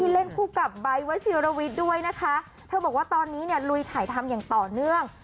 เล่นคู่กับไบท์วัชิรวิทย์ด้วยนะคะเธอบอกว่าตอนนี้เนี่ยลุยถ่ายทำอย่างต่อเนื่อง